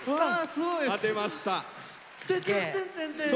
当てました。